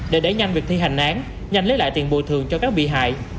để đẩy nhanh việc thi hành án nhanh lấy lại tiền bồi thường cho các bị hại